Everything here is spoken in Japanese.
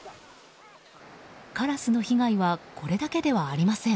カラスの被害はこれだけではありません。